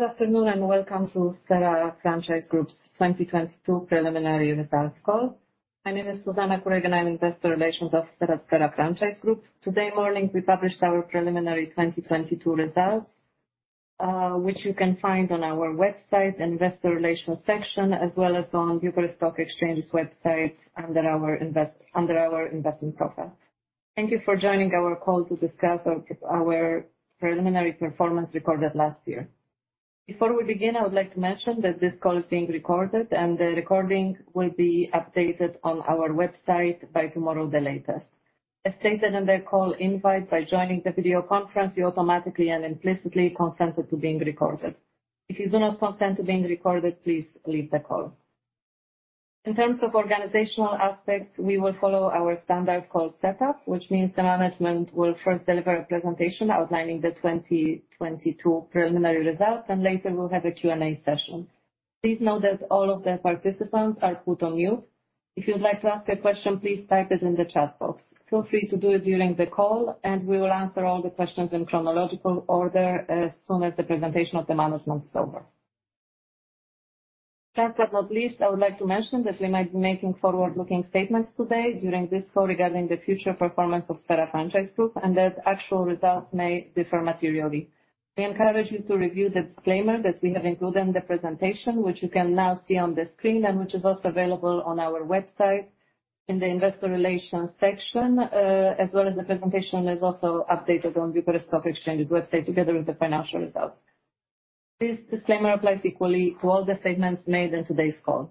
Good afternoon, welcome to Sphera Franchise Group's 2022 preliminary results call. My name is Zuzanna Kurek, I'm Investor Relations of Sphera Franchise Group. Today morning, we published our preliminary 2022 results, which you can find on our website, Investor Relations section, as well as on Bucharest Stock Exchange's website under our investment profile. Thank you for joining our call to discuss our preliminary performance recorded last year. Before we begin, I would like to mention that this call is being recorded and the recording will be updated on our website by tomorrow the latest. As stated in the call invite, by joining the video conference, you automatically and implicitly consent it to being recorded. If you do not consent to being recorded, please leave the call. In terms of organizational aspects, we will follow our standard call setup, which means the management will first deliver a presentation outlining the 2022 preliminary results. Later we'll have a Q&A session. Please note that all of the participants are put on mute. If you would like to ask a question, please type it in the chat box. Feel free to do it during the call. We will answer all the questions in chronological order as soon as the presentation of the management is over. Last but not least, I would like to mention that we might be making forward-looking statements today during this call regarding the future performance of Sphera Franchise Group. That actual results may differ materially. We encourage you to review the disclaimer that we have included in the presentation, which you can now see on the screen, and which is also available on our website in the Investor Relations section, as well as the presentation is also updated on Bucharest Stock Exchange's website together with the financial results. This disclaimer applies equally to all the statements made in today's call.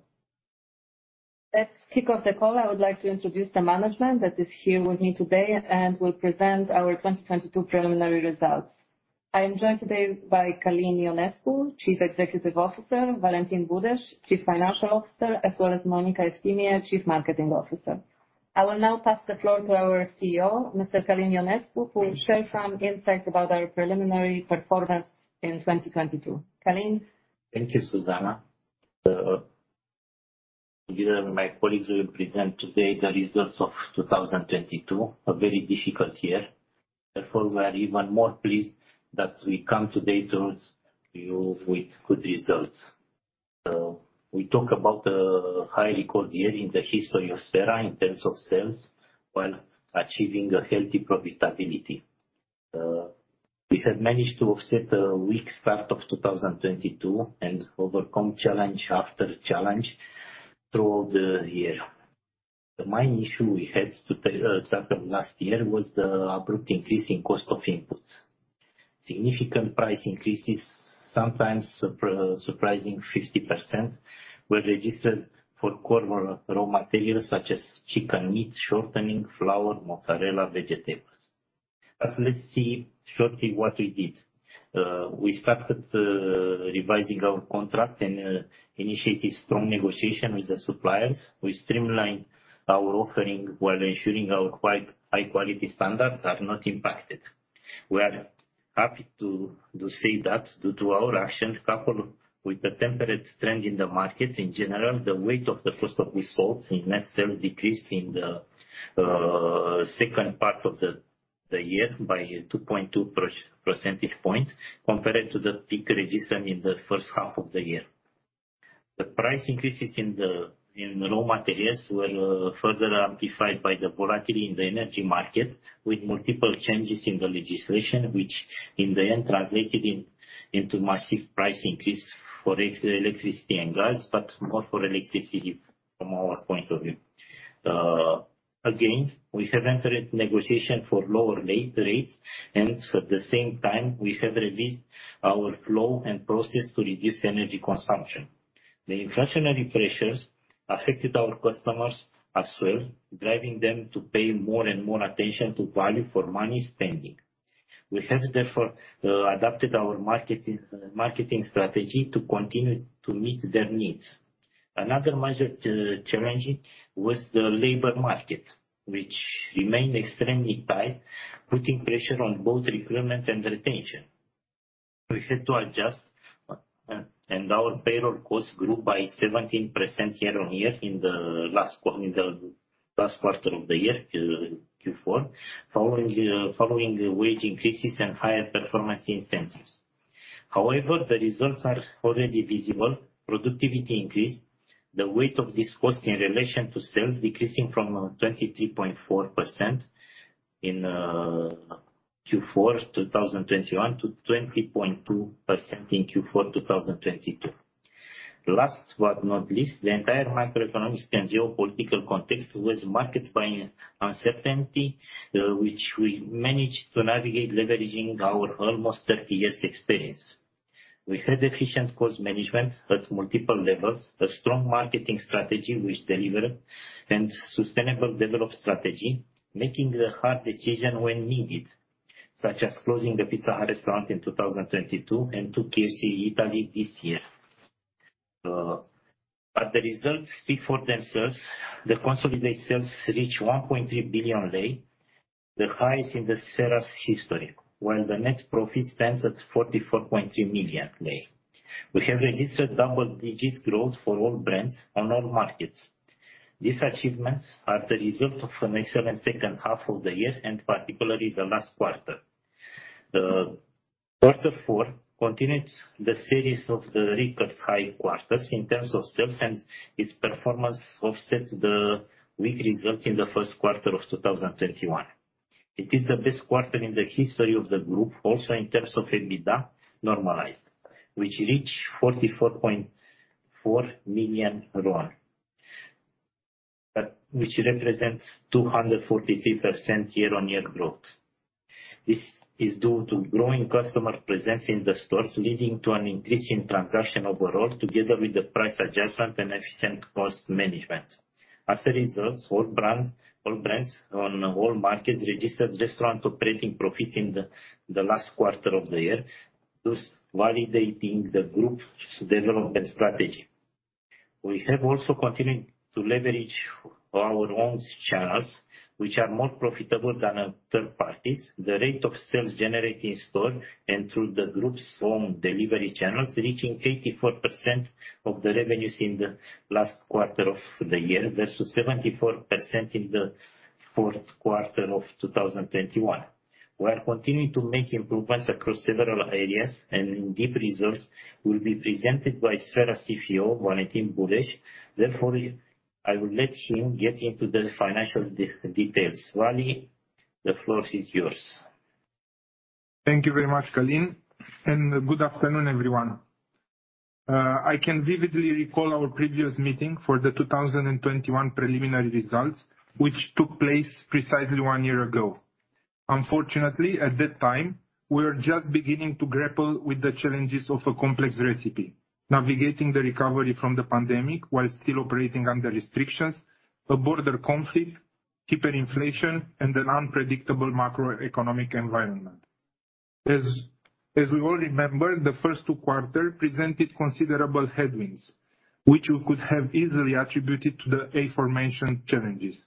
Let's kick off the call. I would like to introduce the management that is here with me today and will present our 2022 preliminary results. I am joined today by Călin Ionescu, Chief Executive Officer, Valentin Budeș, Chief Financial Officer, as well as Monica Eftimie, Chief Marketing Officer. I will now pass the floor to our CEO, Mr. Călin Ionescu, who will share some insights about our preliminary performance in 2022. Călin. Thank you, Zuzanna. Me and my colleagues will present today the results of 2022, a very difficult year. Therefore, we are even more pleased that we come today towards you with good results. We talk about the highest recorded year in the history of Sphera in terms of sales, while achieving a healthy profitability. We have managed to offset the weak start of 2022 and overcome challenge after challenge throughout the year. The main issue we had to tackle last year was the abrupt increase in cost of inputs. Significant price increases, sometimes surprising 50%, were registered for core raw materials such as chicken meat, shortening, flour, mozzarella, vegetables. Let's see shortly what we did. We started revising our contract and initiated strong negotiation with the suppliers. We streamlined our offering while ensuring our high quality standards are not impacted. We are happy to say that due to our action, coupled with the temperate trend in the market in general, the weight of the cost of results in net sales decreased in the second part of the year by 2.2 percentage points compared to the peak registered in the first half of the year. The price increases in raw materials were further amplified by the volatility in the energy market, with multiple changes in the legislation, which in the end translated into massive price increase for electricity and gas, but more for electricity from our point of view. Again, we have entered negotiation for lower rates, and at the same time we have revised our flow and process to reduce energy consumption. The inflationary pressures affected our customers as well, driving them to pay more and more attention to value for money spending. We have therefore adapted our marketing strategy to continue to meet their needs. Another major challenge was the labor market, which remained extremely tight, putting pressure on both recruitment and retention. We had to adjust, our payroll costs grew by 17% year-on-year in the last quarter of the year, Q4, following wage increases and higher performance incentives. However, the results are already visible. Productivity increased. The weight of this cost in relation to sales decreasing from 23.4% in Q4 2021 to 20.2% in Q4 2022. Last but not least, the entire macroeconomics and geopolitical context was marked by uncertainty, which we managed to navigate leveraging our almost 30 years experience. We had efficient cost management at multiple levels, a strong marketing strategy which delivered and sustainable developed strategy, making the hard decision when needed, such as closing the Pizza Hut restaurant in 2022 and two KFC Italy this year. The results speak for themselves. The consolidated sales reach RON 1.3 billion, the highest in Sphera's history, while the net profit stands at RON 44.3 million. We have registered double-digit growth for all brands on all markets. These achievements are the result of an excellent second half of the year, and particularly the last quarter. The quarter four continued the series of the record high quarters in terms of sales, and its performance offset the weak result in the first quarter of 2021. It is the best quarter in the history of the group also in terms of EBITDA normalized, which reached RON 44.4 million. Which represents 243% year-on-year growth. This is due to growing customer presence in the stores, leading to an increase in transaction overall, together with the price adjustment and efficient cost management. As a result, all brands on all markets registered restaurant operating profit in the last quarter of the year, thus validating the group's development strategy. We have also continued to leverage our own channels, which are more profitable than third parties. The rate of sales generated in store and through the group's own delivery channels, reaching 84% of the revenues in the last quarter of the year, versus 74% in the fourth quarter of 2021. We are continuing to make improvements across several areas. In-depth results will be presented by Sphera CFO, Valentin Budeș. I will let him get into the financial details. Vali, the floor is yours. Thank you very much, Călin, good afternoon, everyone. I can vividly recall our previous meeting for the 2021 preliminary results, which took place precisely one year ago. Unfortunately, at that time, we were just beginning to grapple with the challenges of a complex recipe: navigating the recovery from the pandemic while still operating under restrictions, a border conflict, hyperinflation, and an unpredictable macroeconomic environment. As we all remember, the first two quarter presented considerable headwinds, which we could have easily attributed to the aforementioned challenges.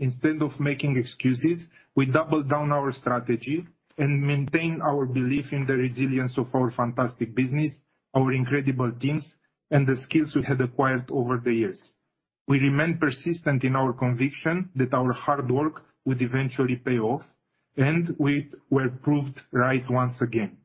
Instead of making excuses, we doubled down our strategy and maintained our belief in the resilience of our fantastic business, our incredible teams, and the skills we had acquired over the years. We remained persistent in our conviction that our hard work would eventually pay off, and we were proved right once again.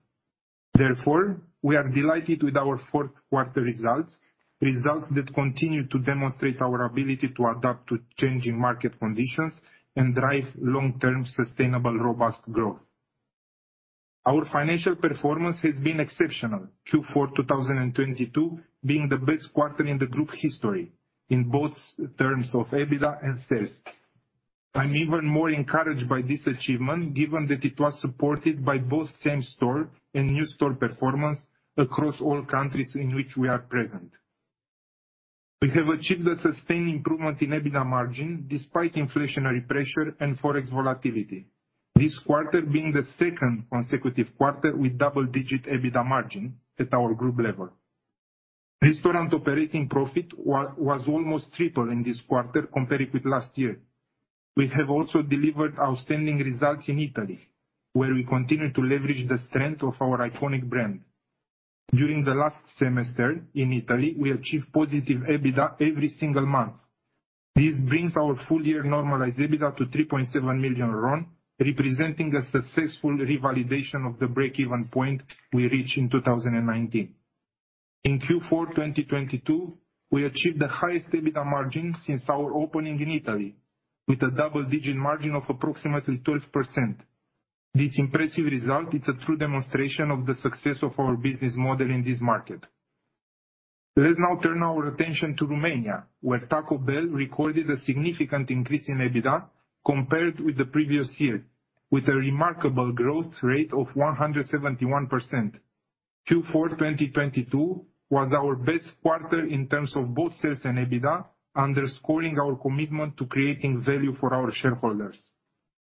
We are delighted with our fourth quarter results that continue to demonstrate our ability to adapt to changing market conditions and drive long-term sustainable, robust growth. Our financial performance has been exceptional, Q4 2022 being the best quarter in the group history in both terms of EBITDA and sales. I'm even more encouraged by this achievement, given that it was supported by both same-store and new-store performance across all countries in which we are present. We have achieved a sustained improvement in EBITDA margin despite inflationary pressure and forex volatility. This quarter being the second consecutive quarter with double-digit EBITDA margin at our group level. Restaurant operating profit was almost triple in this quarter compared with last year. We have also delivered outstanding results in Italy, where we continue to leverage the strength of our iconic brand. During the last semester in Italy, we achieved positive EBITDA every single month. This brings our full year normalized EBITDA to RON 3.7 million, representing a successful revalidation of the break-even point we reached in 2019. In Q4, 2022, we achieved the highest EBITDA margin since our opening in Italy with a double-digit margin of approximately 12%. This impressive result is a true demonstration of the success of our business model in this market. Let's now turn our attention to Romania, where Taco Bell recorded a significant increase in EBITDA compared with the previous year, with a remarkable growth rate of 171%. Q4, 2022 was our best quarter in terms of both sales and EBITDA, underscoring our commitment to creating value for our shareholders.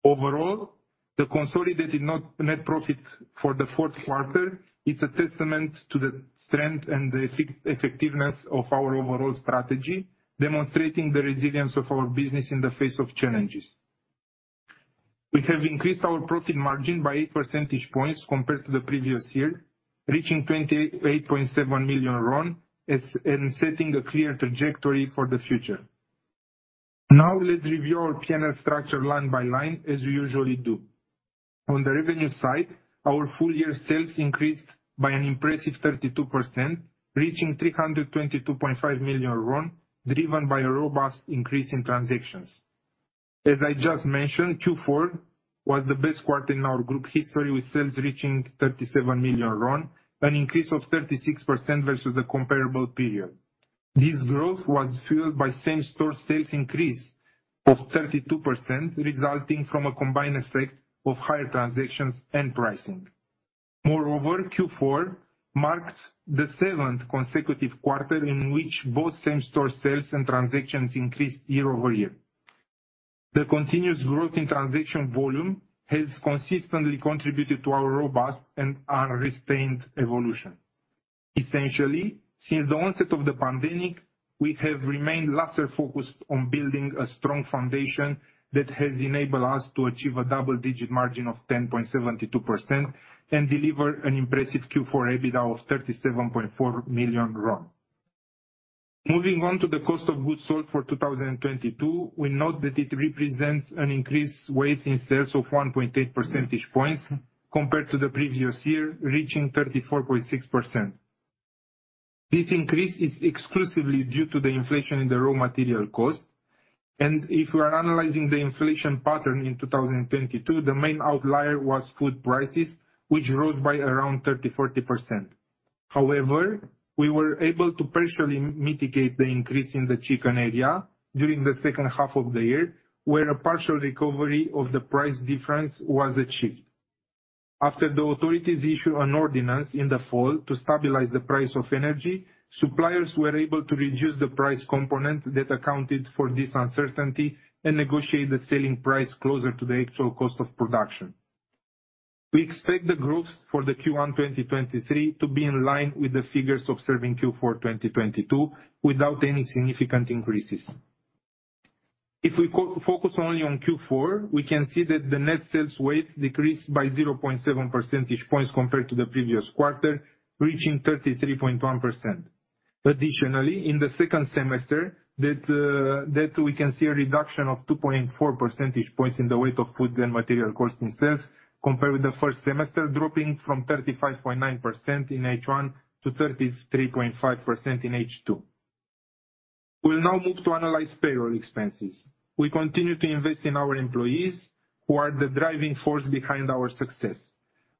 Overall, the consolidated net profit for the fourth quarter, it's a testament to the strength and the effectiveness of our overall strategy, demonstrating the resilience of our business in the face of challenges. We have increased our profit margin by 8 percentage points compared to the previous year, reaching RON 28.7 million and setting a clear trajectory for the future. Let's review our PNL structure line by line, as we usually do. On the revenue side, our full year sales increased by an impressive 32%, reaching RON 322.5 million, driven by a robust increase in transactions. I just mentioned, Q4 was the best quarter in our group history, with sales reaching RON 37 million, an increase of 36% versus the comparable period. This growth was fueled by same-store sales increase of 32%, resulting from a combined effect of higher transactions and pricing. Q4 marks the 7th consecutive quarter in which both same-store sales and transactions increased year-over-year. The continuous growth in transaction volume has consistently contributed to our robust and unrestrained evolution. Essentially, since the onset of the pandemic, we have remained laser-focused on building a strong foundation that has enabled us to achieve a double-digit margin of 10.72% and deliver an impressive Q4 EBITDA of RON 37.4 million. Moving on to the cost of goods sold for 2022, we note that it represents an increased weight in sales of 1.8 percentage points compared to the previous year, reaching 34.6%. This increase is exclusively due to the inflation in the raw material cost. If you are analyzing the inflation pattern in 2022, the main outlier was food prices, which rose by around 30%-40%. However, we were able to partially mitigate the increase in the chicken area during the second half of the year, where a partial recovery of the price difference was achieved. After the authorities issued an ordinance in the fall to stabilize the price of energy, suppliers were able to reduce the price component that accounted for this uncertainty and negotiate the selling price closer to the actual cost of production. We expect the growth for the Q1 2023 to be in line with the figures observed in Q4 2022 without any significant increases. If we co-focus only on Q4, we can see that the net sales weight decreased by 0.7 percentage points compared to the previous quarter, reaching 33.1%. Additionally, in the second semester, that we can see a reduction of 2.4 percentage points in the weight of food and material costs in sales compared with the first semester, dropping from 35.9% in H1 to 33.5% in H2. We'll now move to analyze payroll expenses. We continue to invest in our employees who are the driving force behind our success.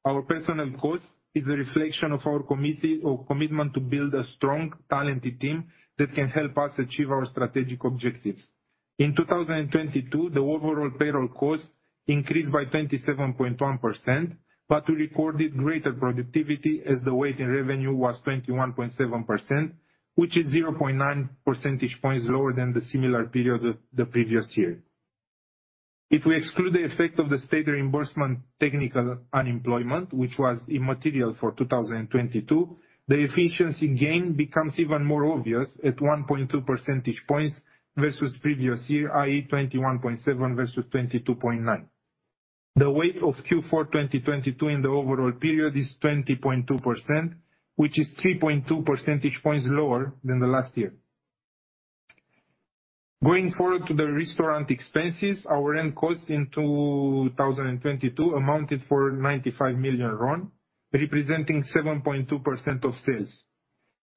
Our personal cost is a reflection of our commitment to build a strong, talented team that can help us achieve our strategic objectives. In 2022, the overall payroll costs increased by 27.1%, but we recorded greater productivity as the weight in revenue was 21.7%, which is 0.9 percentage points lower than the similar period of the previous year. If we exclude the effect of the state reimbursement technical unemployment, which was immaterial for 2022, the efficiency gain becomes even more obvious at 1.2 percentage points versus previous year, i.e. 21.7 versus 22.9. The weight of Q4 2022 in the overall period is 20.2%, which is 3.2 percentage points lower than the last year. Going forward to the restaurant expenses, our end costs in 2022 amounted for RON 95 million, representing 7.2% of sales.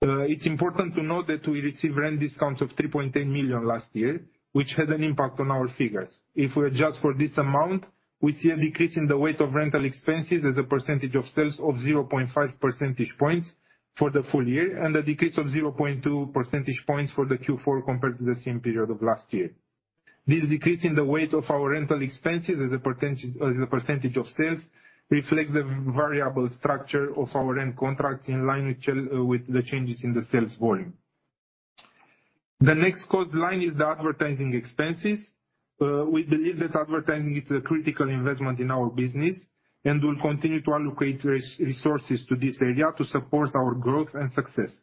It's important to note that we received rent discounts of RON 3.8 million last year, which had an impact on our figures. If we adjust for this amount, we see a decrease in the weight of rental expenses as a percentage of sales of 0.5 percentage points for the full year, and a decrease of 0.2 percentage points for the Q4 compared to the same period of last year. This decrease in the weight of our rental expenses as a percentage of sales reflects the variable structure of our rent contracts in line with the changes in the sales volume. The next cost line is the advertising expenses. We believe that advertising is a critical investment in our business, and we'll continue to allocate resources to this area to support our growth and success.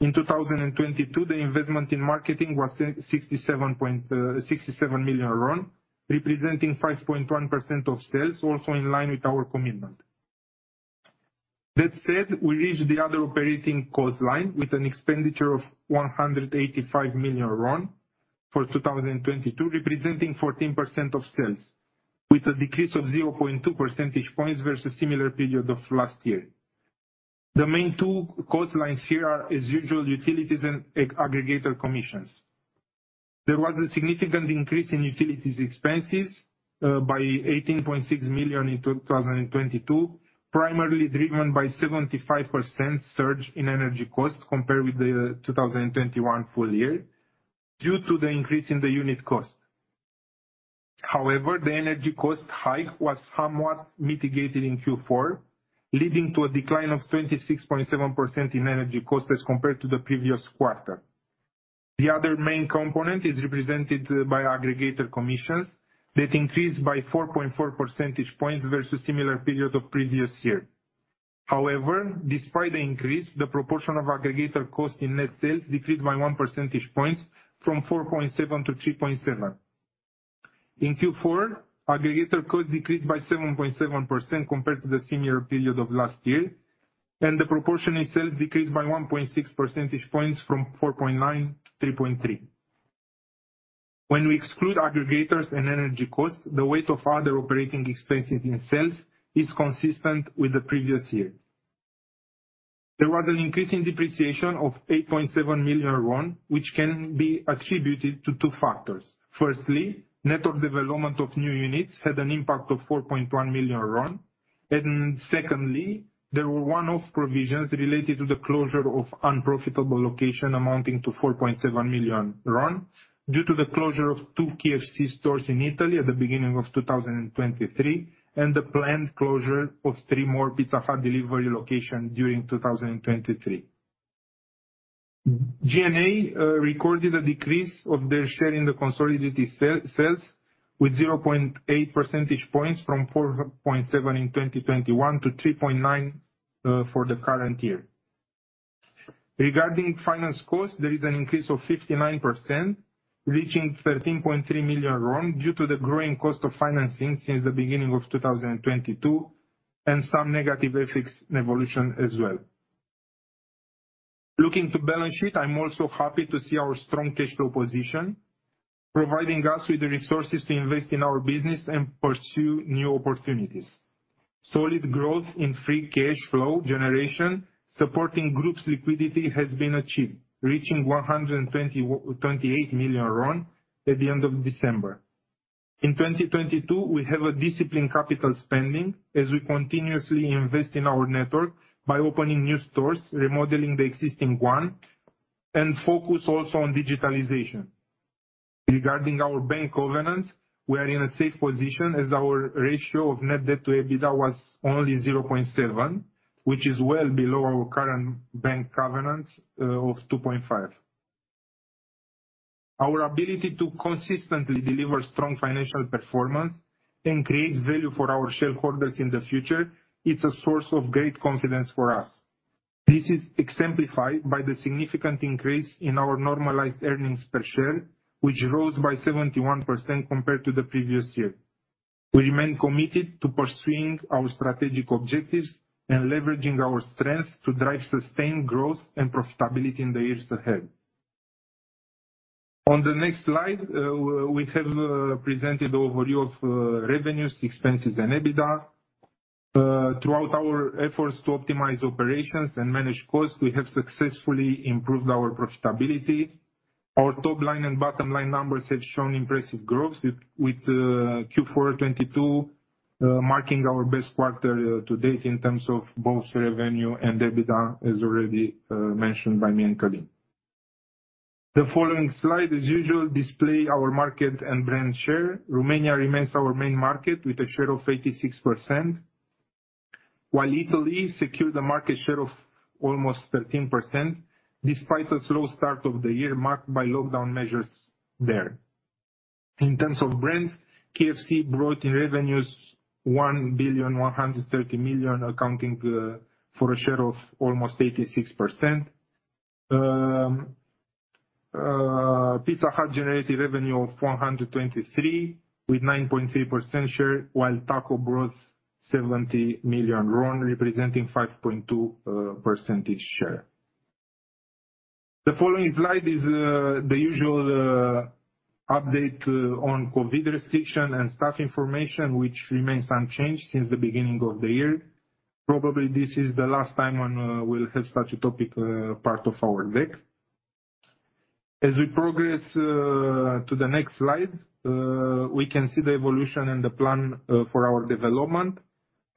In 2022, the investment in marketing was 67.67 million RON, representing 5.1% of sales, also in line with our commitment. That said, we reached the other operating cost line with an expenditure of 185 million RON for 2022, representing 14% of sales, with a decrease of 0.2 percentage points versus similar period of last year. The main two cost lines here are, as usual, utilities and aggregator commissions. There was a significant increase in utilities expenses by 18.6 million RON in 2022, primarily driven by 75% surge in energy costs compared with the 2021 full year due to the increase in the unit cost. The energy cost hike was somewhat mitigated in Q4, leading to a decline of 26.7% in energy costs as compared to the previous quarter. The other main component is represented by aggregator commissions that increased by 4.4 percentage points versus similar period of previous year. Despite the increase, the proportion of aggregator cost in net sales decreased by 1 percentage point from 4.7% to 3.7%. In Q4, aggregator costs decreased by 7.7% compared to the same year period of last year, and the proportion in sales decreased by 1.6 percentage points from 4.9% to 3.3%. When we exclude aggregators and energy costs, the weight of other operating expenses in sales is consistent with the previous year. There was an increase in depreciation of RON 8.7 million, which can be attributed to two factors. Firstly, network development of new units had an impact of RON 4.1 million. Secondly, there were one-off provisions related to the closure of unprofitable location amounting to RON 4.7 million due to the closure of two KFC stores in Italy at the beginning of 2023, and the planned closure of three more Pizza Hut delivery locations during 2023. G&A recorded a decrease of their share in the consolidated sales with 0.8 percentage points from 4.7 in 2021 to 3.9 for the current year. Regarding finance costs, there is an increase of 59%, reaching RON 13.3 million due to the growing cost of financing since the beginning of 2022. Some negative FX evolution as well. Looking to balance sheet, I'm also happy to see our strong cash flow position, providing us with the resources to invest in our business and pursue new opportunities. Solid growth in free cash flow generation, supporting group's liquidity has been achieved, reaching RON 128 million at the end of December. In 2022, we have a disciplined capital spending as we continuously invest in our network by opening new stores, remodeling the existing one, and focus also on digitalization. Regarding our bank covenants, we are in a safe position as our ratio of net debt to EBITDA was only 0.7, which is well below our current bank covenants of 2.5. Our ability to consistently deliver strong financial performance and create value for our shareholders in the future, it's a source of great confidence for us. This is exemplified by the significant increase in our normalized earnings per share, which rose by 71% compared to the previous year. We remain committed to pursuing our strategic objectives and leveraging our strengths to drive sustained growth and profitability in the years ahead. On the next slide, we have presented overview of revenues, expenses, and EBITDA. Throughout our efforts to optimize operations and manage costs, we have successfully improved our profitability. Our top line and bottom line numbers have shown impressive growth with Q4 2022 marking our best quarter to date in terms of both revenue and EBITDA, as already mentioned by me and Călin. The following slide, as usual, display our market and brand share. Romania remains our main market with a share of 86%, while Italy secured a market share of almost 13%, despite a slow start of the year marked by lockdown measures there. In terms of brands, KFC brought in revenues RON 1.13 billion, accounting for a share of almost 86%. Pizza Hut generated revenue of RON 423 with 9.3% share, while Taco brought RON 70 million, representing 5.2% share. The following slide is the usual update on COVID restriction and staff information, which remains unchanged since the beginning of the year. Probably this is the last time when we'll have such a topic part of our deck. As we progress to the next slide, we can see the evolution and the plan for our development.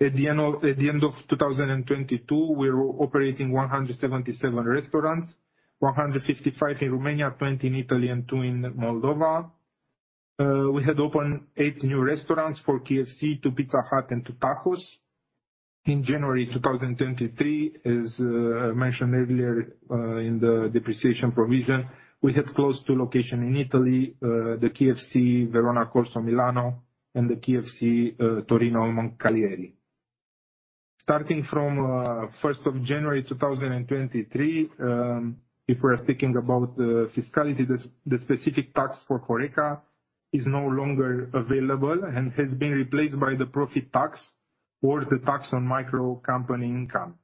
At the end of 2022, we were operating 177 restaurants, 155 in Romania, 20 in Italy and two in Moldova. We had opened eight new restaurants for KFC, two Pizza Hut and two Taco Bell. In January 2023, as mentioned earlier, in the depreciation provision, we had closed two location in Italy, the KFC Verona Corso Milano and the KFC Torino Moncalieri. Starting from 1st of January, 2023, if we are speaking about the fiscality, the specific tax for HoReCa is no longer available and has been replaced by the profit tax or the tax on micro company income.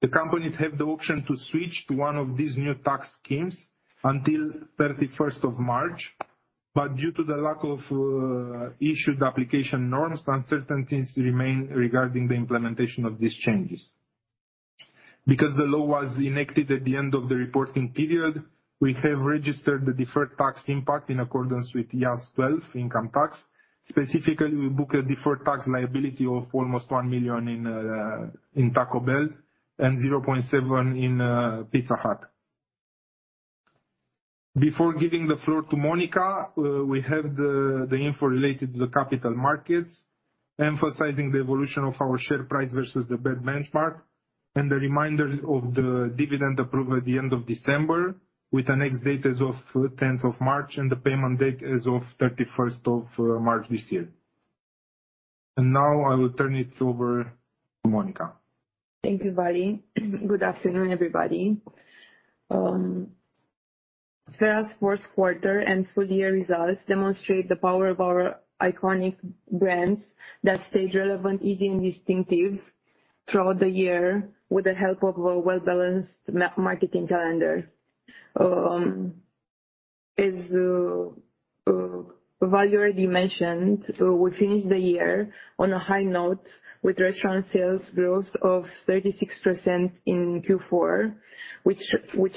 The companies have the option to switch to one of these new tax schemes until 31st of March, but due to the lack of issued application norms, uncertainties remain regarding the implementation of these changes. Because the law was enacted at the end of the reporting period, we have registered the deferred tax impact in accordance with IAS 12, income tax. Specifically, we book a deferred tax liability of almost RON 1 million in Taco Bell and RON 0.7 million in Pizza Hut. Before giving the floor to Monica, we have the info related to the capital markets, emphasizing the evolution of our share price versus the benchmark, and the reminder of the dividend approved at the end of December with an ex-date as of 10th of March, and the payment date as of 31st of March this year. Now I will turn it over to Monica. Thank you, Vali. Good afternoon, everybody. Sphera's fourth quarter and full year results demonstrate the power of our iconic brands that stayed relevant, easy, and distinctive throughout the year with the help of a well-balanced marketing calendar. As Vali already mentioned, we finished the year on a high note with restaurant sales growth of 36% in Q4, which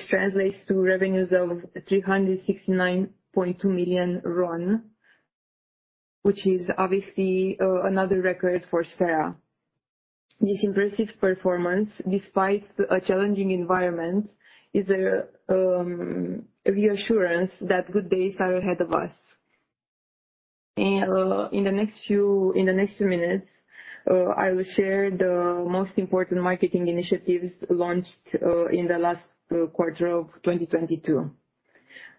translates to revenues of RON 369.2 million, which is obviously another record for Sphera. This impressive performance, despite a challenging environment, is a reassurance that good days are ahead of us. In the next few minutes, I will share the most important marketing initiatives launched in the last quarter of 2022.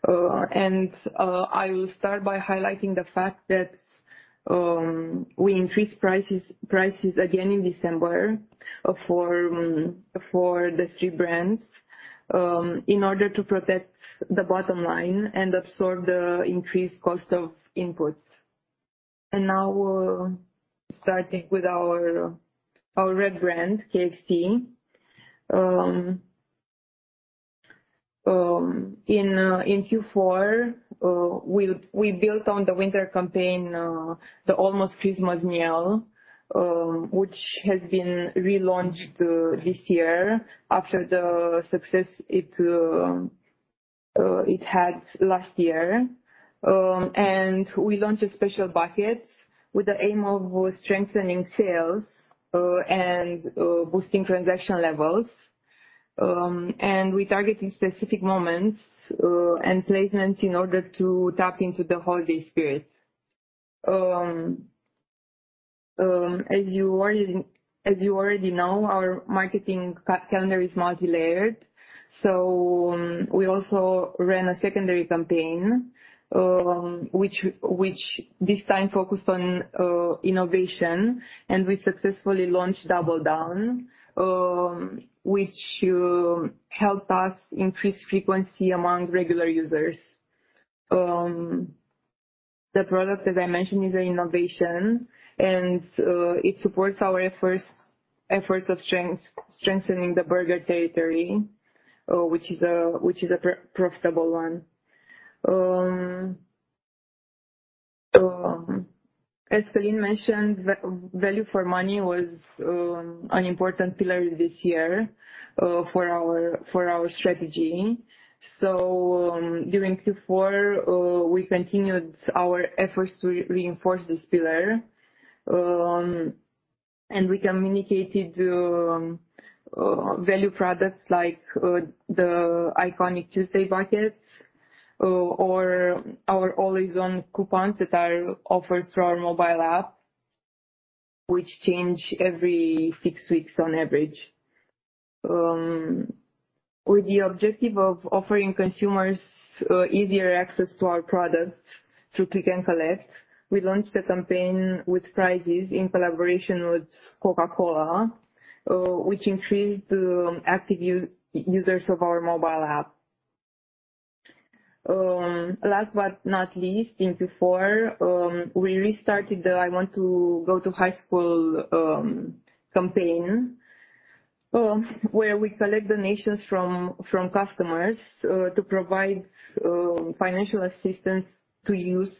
I will start by highlighting the fact that we increased prices again in December for these three brands in order to protect the bottom line and absorb the increased cost of inputs. Now, starting with our red brand, KFC, in Q4, we built on the winter campaign, the almost-Christmas meal, which has been relaunched this year after the success it had last year. We launched a special bucket with the aim of strengthening sales and boosting transaction levels. We targeted specific moments and placements in order to tap into the holiday spirit. As you already know, our marketing calendar is multilayered. We also ran a secondary campaign, which this time focused on innovation, and we successfully launched Double Down, which helped us increase frequency among regular users. The product, as I mentioned, is an innovation and it supports our efforts of strengthening the burger territory, which is a profitable one. As Călin mentioned, value for money was an important pillar this year for our strategy. During Q4, we continued our efforts to reinforce this pillar, and we communicated value products like the iconic Tuesday buckets or our Always On coupons that are offered through our mobile app, which change every six weeks on average. With the objective of offering consumers easier access to our products through click and collect, we launched a campaign with prizes in collaboration with Coca-Cola, which increased active users of our mobile app. Last but not least, in Q4, we restarted the I want to go to high school! campaign, where we collect donations from customers to provide financial assistance to youths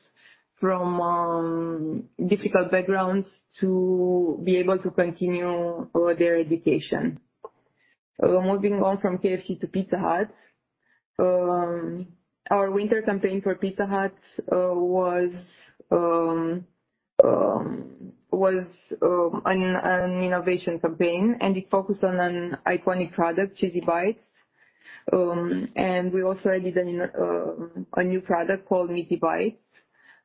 from difficult backgrounds to be able to continue their education. Moving on from KFC to Pizza Hut. Our winter campaign for Pizza Hut was an innovation campaign, and it focused on an iconic product, Cheesy Bites. We also added a new product called Meaty Bites.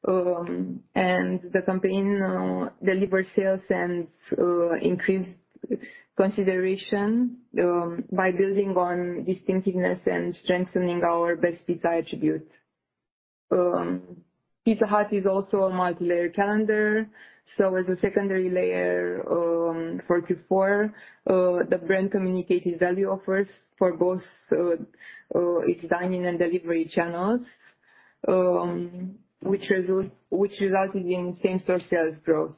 The campaign delivered sales and increased consideration by building on distinctiveness and strengthening our best pizza attribute. Pizza Hut is also a multilayer calendar. As a secondary layer for Q4, the brand communicated value offers for both its dine-in and delivery channels, which resulted in same-store sales growth.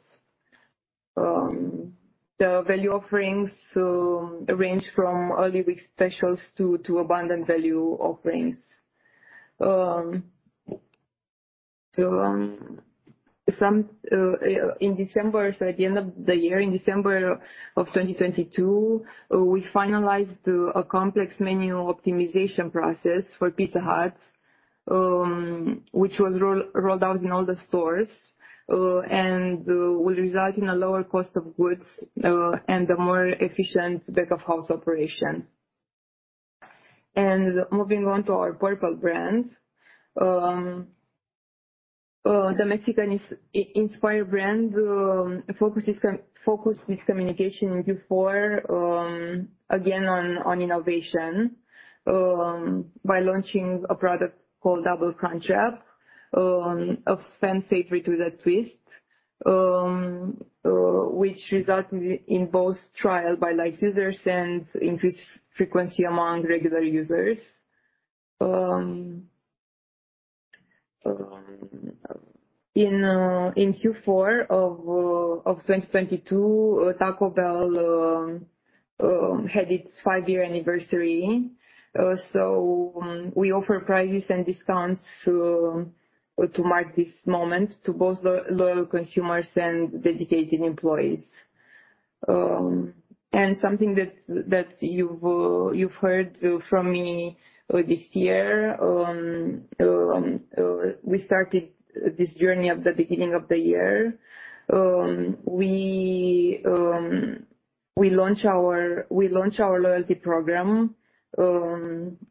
The value offerings range from early week specials to abundant value offerings. In December, at the end of the year, in December of 2022, we finalized a complex menu optimization process for Pizza Hut, which was rolled out in all the stores and will result in a lower cost of goods and a more efficient back-of-house operation. Moving on to our portfolio brands. The Mexican inspired brand focused its communication in Q4 again on innovation by launching a product called Double Crunchwrap, a fan favorite with a twist, which resulted in both trial by light users and increased frequency among regular users. In Q4 of 2022, Taco Bell had its five-year anniversary. We offer prizes and discounts to mark this moment to both loyal consumers and dedicated employees. Something that you've heard from me this year, we started this journey at the beginning of the year. We launched our loyalty program,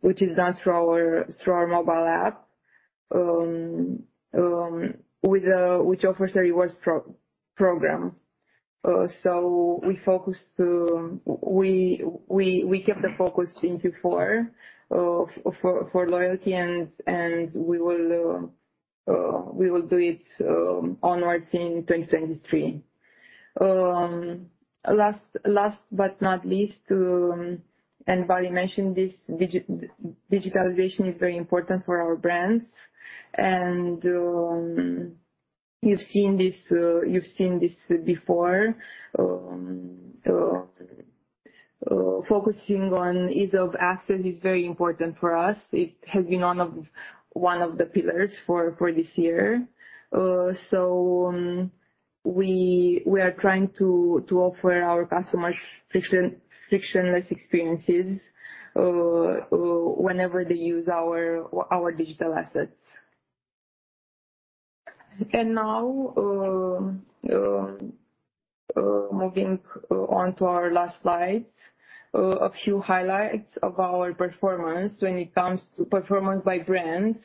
which is done through our mobile app, which offers a rewards program. We kept the focus in Q4 for loyalty and we will do it onwards in 2023. Last but not least, Valentin Budeș mentioned this, digitalization is very important for our brands. You've seen this. You've seen this before. Focusing on ease of access is very important for us. It has been one of the pillars for this year. We are trying to offer our customers frictionless experiences whenever they use our digital assets. Now, moving on to our last slide. A few highlights of our performance when it comes to performance by brands,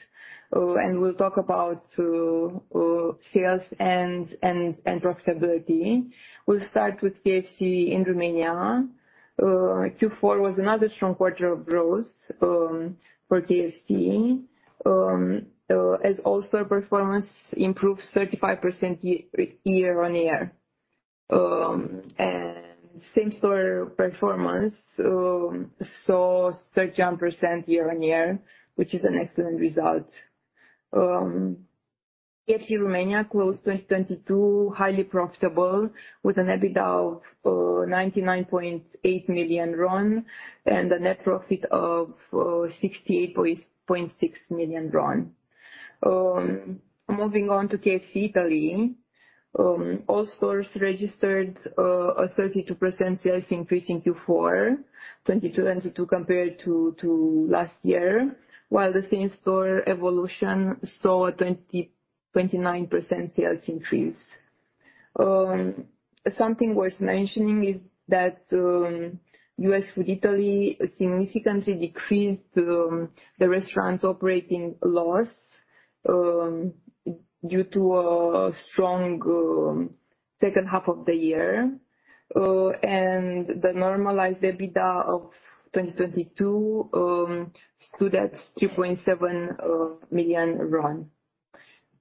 we'll talk about sales and profitability. We'll start with KFC in Romania. Q4 was another strong quarter of growth for KFC. As all store performance improved 35% year-on-year. Same store performance saw 13% year-on-year, which is an excellent result. KFC Romania closed 2022 highly profitable, with an EBITDA of RON 99.8 million and a net profit of RON 68.6 million. Moving on to KFC Italy. All stores registered a 32% sales increase in Q4 2022 compared to last year. While the same store evolution saw a 29% sales increase. Something worth mentioning is that US Food Italy significantly decreased the restaurant's operating loss due to a strong second half of the year. The normalized EBITDA of 2022 stood at RON 2.7 million.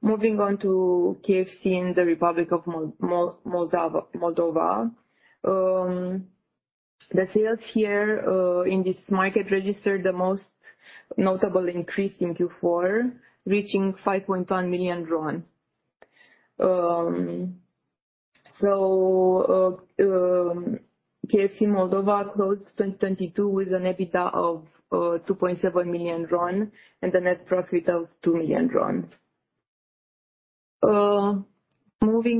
Moving on to KFC in the Republic of Moldova. The sales here in this market registered the most notable increase in Q4, reaching RON 5.1 million. KFC Moldova closed 2022 with an EBITDA of RON 2.7 million and a net profit of RON 2 million. Moving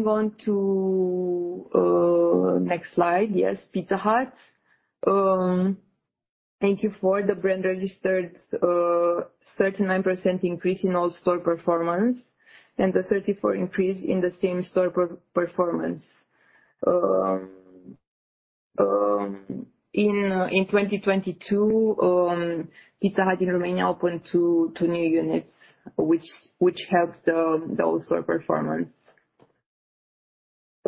on to next slide. Yes, Pizza Hut. In Q4 the brand registered 39% increase in all store performance and a 34% increase in the same store performance. In 2022, Pizza Hut in Romania opened two new units which helped the all store performance.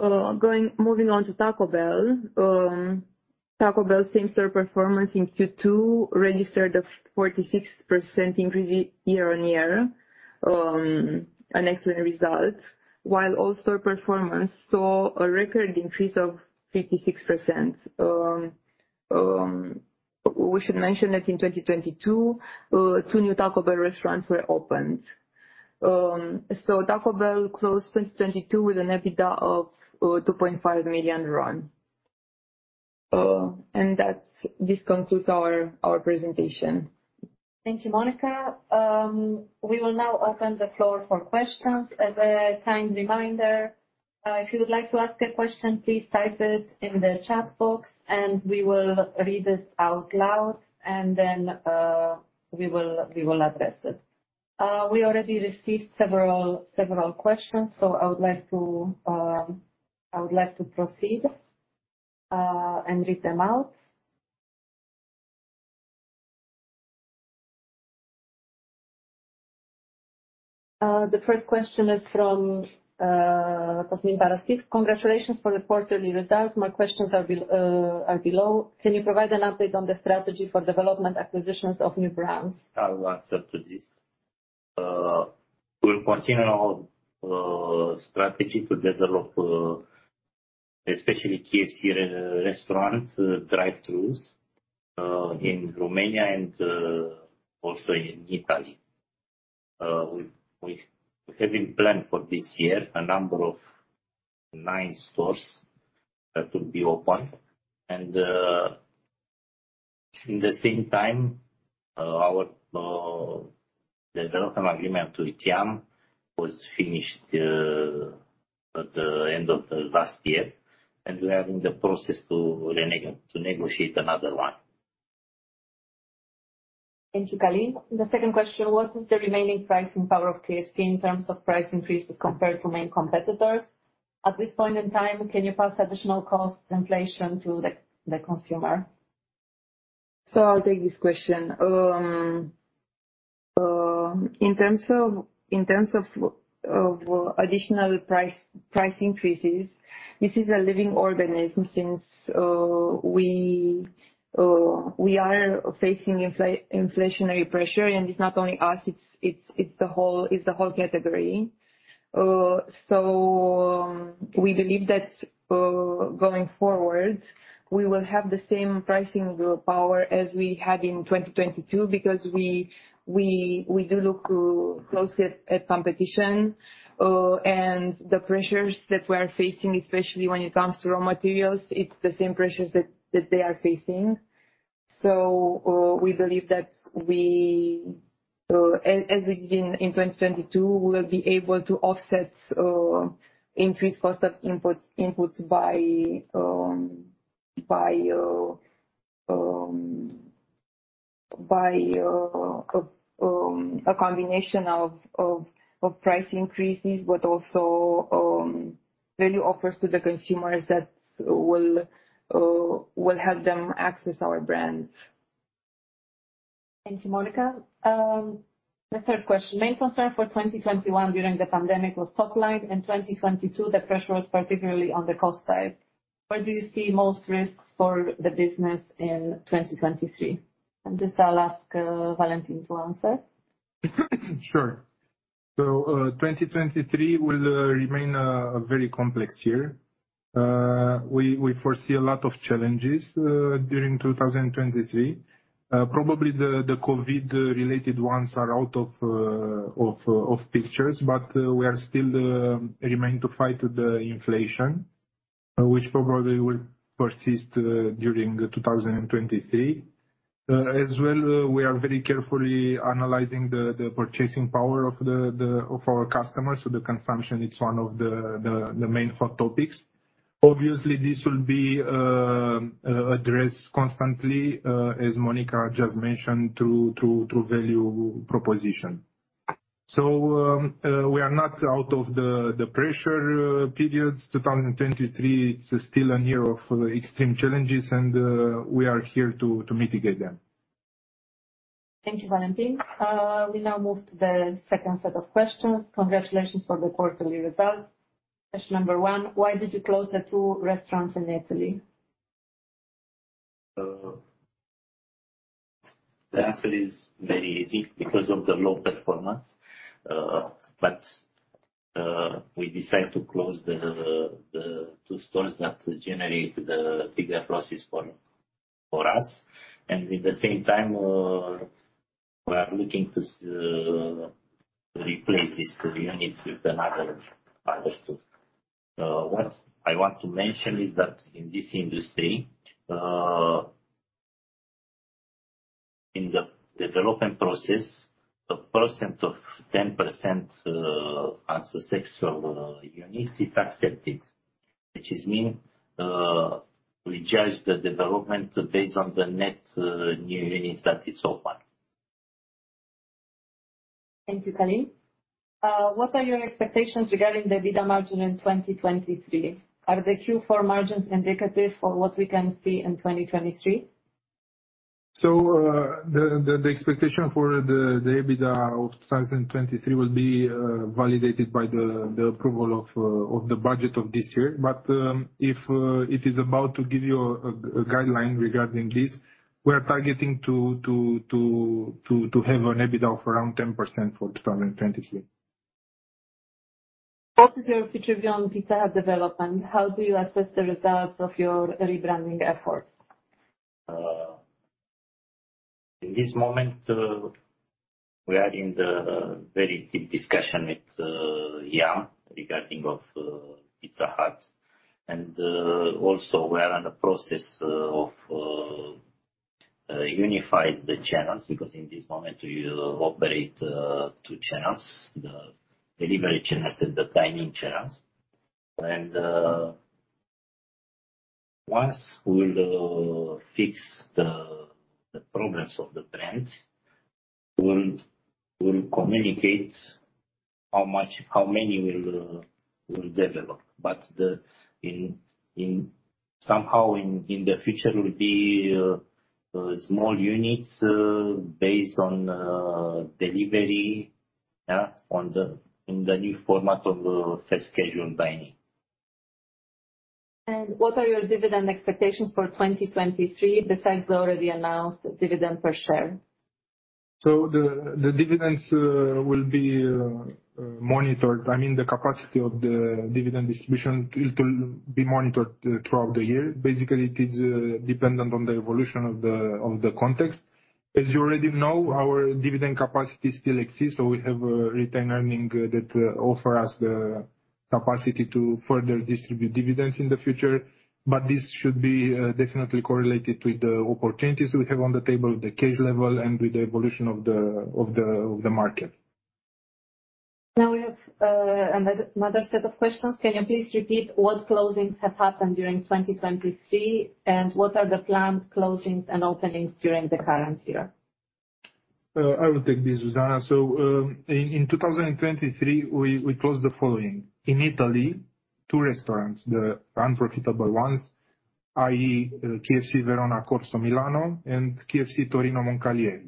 Moving on to Taco Bell. Taco Bell same store performance in Q2 registered a 46% increase year-on-year. an excellent result, while all store performance saw a record increase of 56%. We should mention that in 2022, two new Taco Bell restaurants were opened. Taco Bell closed 2022 with an EBITDA of RON 2.5 million. This concludes our presentation. Thank you, Monica. We will now open the floor for questions. As a kind reminder, if you would like to ask a question, please type it in the chat box and we will read it out loud and then we will address it. We already received several questions, so I would like to proceed and read them out. The first question is from Cosmin Paraschiv: Congratulations for the quarterly results. My questions are below. Can you provide an update on the strategy for development acquisitions of new brands? I'll answer to this. We'll continue our strategy to develop especially KFC re-restaurants, drive-throughs, in Romania and also in Italy. We have been planned for this year a number of 9 stores that will be opened. In the same time, our development agreement with Yum! was finished at the end of the last year, and we are in the process to negotiate another one. Thank you, Calin. The second question: What is the remaining pricing power of KFC in terms of price increases compared to main competitors? At this point in time, can you pass additional costs inflation to the consumer? I'll take this question. In terms of additional price increases, this is a living organism since we are facing inflationary pressure. It's not only us, it's the whole category. We believe that going forward, we will have the same pricing power as we had in 2022 because we do look closely at competition. And the pressures that we're facing, especially when it comes to raw materials, it's the same pressures that they are facing We believe that as in 2022, we'll be able to offset increased cost of imports-inputs by a combination of price increases, but also value offers to the consumers that will help them access our brands. Thank you, Monica. The third question. Main concern for 2021 during the pandemic was top line. In 2022, the pressure was particularly on the cost side. Where do you see most risks for the business in 2023? This I'll ask, Valentin to answer. Sure. 2023 will remain a very complex year. We foresee a lot of challenges during 2023. Probably the COVID-related ones are out of pictures, but we are still remain to fight the inflation, which probably will persist during 2023. As well, we are very carefully analyzing the purchasing power of the of our customers. The consumption is one of the main hot topics. Obviously, this will be addressed constantly, as Monica just mentioned, through value proposition. We are not out of the pressure periods. 2023, it's still a year of extreme challenges, and we are here to mitigate them. Thank you, Valentin. We now move to the second set of questions. Congratulations for the quarterly results. Question number one, why did you close the the restaurants in Italy? The answer is very easy, because of the low performance. We decide to close the two stores that generate the bigger losses for us. At the same time, we are looking to replace these two units with another two. What I want to mention is that in this industry, in the development process, a percent of 10% unsuccessful units is accepted. Which is mean, we judge the development based on the net new units that is opened. Thank you, Călin. What are your expectations regarding the EBITDA margin in 2023? Are the Q4 margins indicative of what we can see in 2023? The expectation for the EBITDA of 2023 will be validated by the approval of the budget of this year. If it is about to give you a guideline regarding this, we are targeting to have an EBITDA of around 10% for 2023. What is your future view on Pizza Hut development? How do you assess the results of your rebranding efforts? In this moment, we are in the very deep discussion with Yum, regarding of Pizza Hut. Also we are in the process of unify the channels, because in this moment we operate two channels, the delivery channels and the dine-in channels. Once we'll fix the problems of the brand, we'll communicate how much, how many we'll develop. Somehow in the future will be small units based on delivery, yeah, on the, in the new format of fast-casual dine-in. What are your dividend expectations for 2023, besides the already announced dividend per share? The dividends will be monitored. I mean, the capacity of the dividend distribution, it will be monitored throughout the year. Basically, it is dependent on the evolution of the context. As you already know, our dividend capacity still exists, we have retained earning that offer us the capacity to further distribute dividends in the future. This should be definitely correlated with the opportunities we have on the table, the cash level, and with the evolution of the market. Now we have another set of questions. Can you please repeat what closings have happened during 2023, and what are the planned closings and openings during the current year? I will take this, Zuzana. In 2023, we closed the following. In Italy, two restaurants, the unprofitable ones, i.e., KFC Verona Corso Milano and KFC Torino Moncalieri.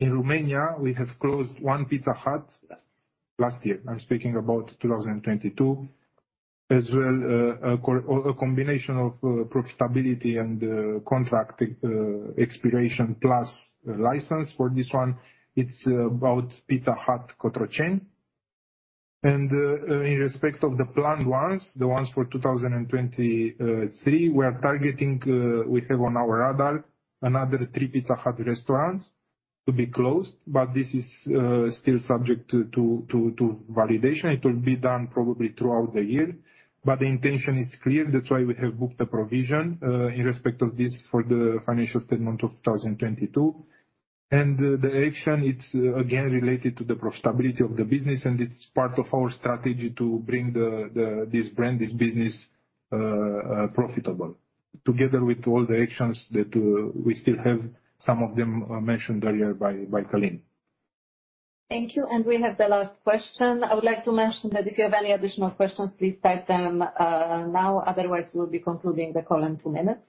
In Romania, we have closed one Pizza Hut last year. I'm speaking about 2022. As well, a combination of profitability and contract expiration plus license for this one. It's about Pizza Hut Cotroceni. In respect of the planned ones, the ones for 2023, we are targeting, we have on our radar another three Pizza Hut restaurants to be closed, but this is still subject to validation. It will be done probably throughout the year, but the intention is clear. That's why we have booked a provision in respect of this for the financial statement of 2022. The action, it's again related to the profitability of the business, and it's part of our strategy to bring this brand, this business profitable together with all the actions that we still have, some of them are mentioned earlier by Călin. Thank you. We have the last question. I would like to mention that if you have any additional questions, please type them now. Otherwise, we'll be concluding the call in two minutes.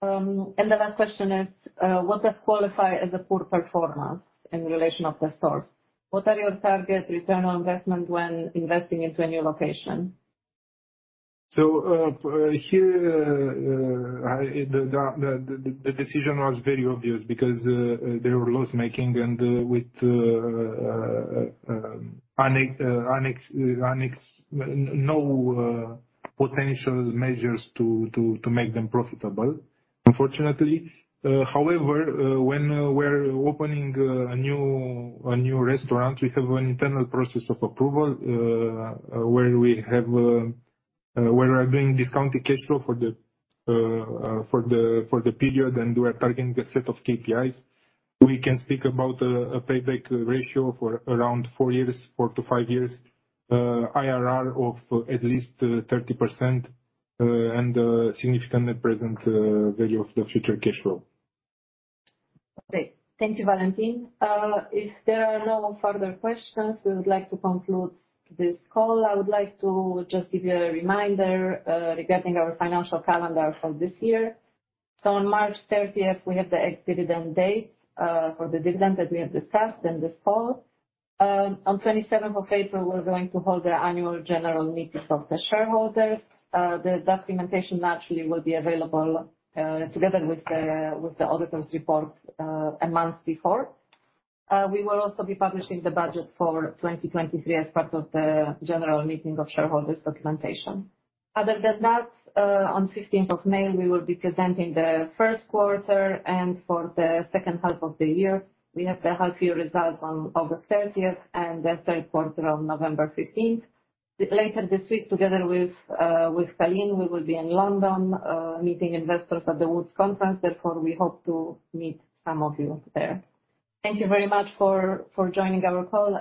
The last question is, what does qualify as a poor performance in relation of the stores? What are your target ROI when investing into a new location? Here, the decision was very obvious because they were loss-making and with no potential measures to make them profitable, unfortunately. However, when we're opening a new restaurant, we have an internal process of approval, where we are doing discounted cash flow for the period, and we are targeting a set of KPIs. We can speak about a payback ratio for around four years, 4 years - 5 years, IRR of at least 30%, and a significant net present value of the future cash flow. Okay. Thank you, Valentin. If there are no further questions, we would like to conclude this call. I would like to just give you a reminder regarding our financial calendar for this year. On March 30th, we have the ex-dividend date for the dividend that we have discussed in this call. On 27th of April, we're going to hold the annual general meeting of the shareholders. The documentation naturally will be available together with the auditor's report a month before. We will also be publishing the budget for 2023 as part of the general meeting of shareholders documentation. Other than that, on 16th of May, we will be presenting the first quarter, and for the second half of the year, we have the half year results on August 30th and the third quarter on November 15th. Later this week, together with Călin, we will be in London, meeting investors at the WOOD's Frontier Investor Day. We hope to meet some of you there. Thank you very much for joining our call.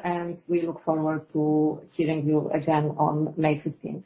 We look forward to hearing you again on May 15th.